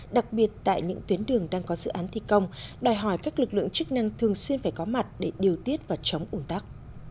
đặc biệt tại những tuyến đường đang có dự án thi công đòi hỏi các lực lượng chức năng thường xuyên phải có mặt để điều tiết và chống ủn tắc